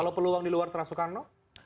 kalau peluang di luar teras soekarno